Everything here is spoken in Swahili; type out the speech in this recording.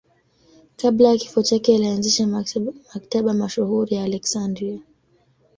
Kabla ya kifo chake alianzisha Maktaba mashuhuri ya Aleksandria.